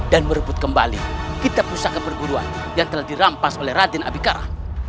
dan merebut kembali kita pusat keperguruan yang telah dirampas oleh raden abikara